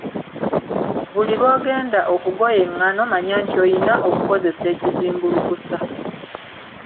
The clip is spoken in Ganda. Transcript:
Buli lw'ogenda okugoya engano manya nti oyina okukozesa ekizimbulukusa.